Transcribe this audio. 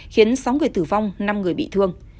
khiến sáu người tử vong năm người bị thương